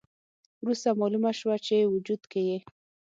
وروسته مالومه شوه چې وجود کې یې